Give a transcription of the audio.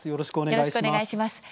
よろしくお願いします。